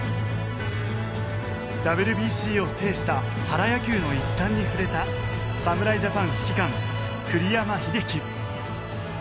ＷＢＣを制した原野球の一端に触れた侍ジャパン指揮官栗山英樹。